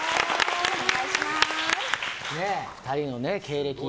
２人の経歴。